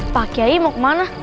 pak yai mau kemana